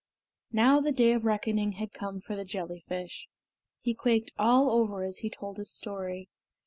Now the day of reckoning had come for the jellyfish. He quaked all over as he told his story.